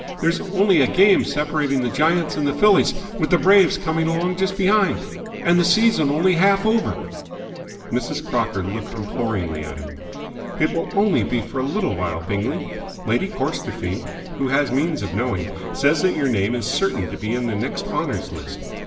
There's only a game separating the Giants and the Phillies, with the Braves coming along just behind. And the season only half over!" Mrs. Crocker looked imploringly at him. "It will only be for a little while, Bingley. Lady Corstorphine, who has means of knowing, says that your name is certain to be in the next Honours List.